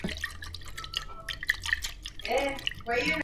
Alisisitiza juu ya ujenzi wa miundombinu ya kimkakati ya usafiri baharini